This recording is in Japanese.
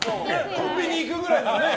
コンビニ行くくらいならね。